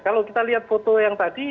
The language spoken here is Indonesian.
kalau kita lihat foto yang tadi